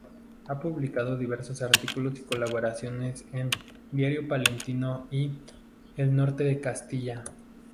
Ha publicado diversos artículos y colaboraciones en Diario Palentino y "El Norte de Castilla".